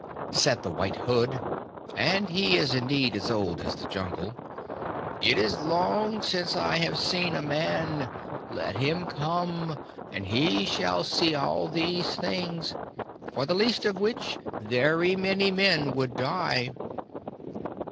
Said the White Hood (and he is indeed as old as the Jungle): 'It is long since I have seen a man. Let him come, and he shall see all these things, for the least of which very many men would die.'"